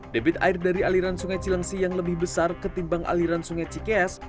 debit air dari aliran sungai cilengsi yang lebih besar ketimbang aliran sungai cikeas